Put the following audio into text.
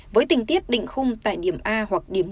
với tình tiết định khung tại điểm a hoặc điểm bốn